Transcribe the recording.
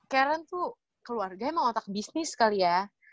karen tuh keluarga emang otak bisnis kali ya